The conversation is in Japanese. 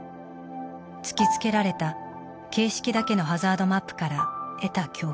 突きつけられた形式だけのハザードマップから得た教訓。